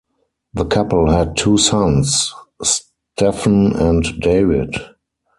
The couple had two sons: Stephen and David.